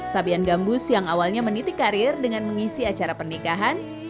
sabian gambus yang awalnya menitik karir dengan mengisi acara pernikahan